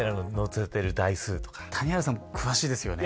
谷原さん詳しいですよね。